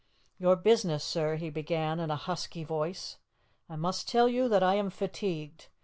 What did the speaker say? "Your business, sir," he began, in a husky voice. "I must tell you that I am fatigued.